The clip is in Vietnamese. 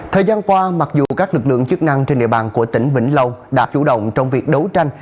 thời gian qua mặc dù các lực lượng chức năng trên địa bàn của tỉnh vĩnh long đã chủ động trong việc đấu tranh